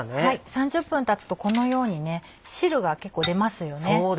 ３０分たつとこのように汁が結構出ますよね。